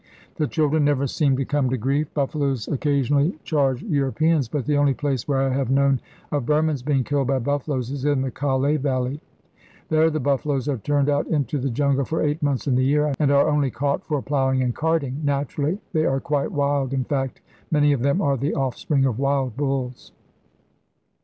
The children never seem to come to grief. Buffaloes occasionally charge Europeans, but the only place where I have known of Burmans being killed by buffaloes is in the Kalè Valley. There the buffaloes are turned out into the jungle for eight months in the year, and are only caught for ploughing and carting. Naturally they are quite wild; in fact, many of them are the offspring of wild bulls.